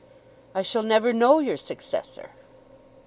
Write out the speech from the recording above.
"I shall never know your successor."